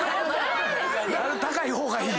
高い方がいい？